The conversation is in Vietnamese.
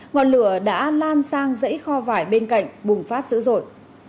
ngọn lửa đã lan sang dãy kho vải bên cạnh bùng phát sữ rội